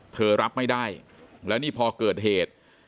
รับไม่ได้แล้วนี่พอเกิดเหตุ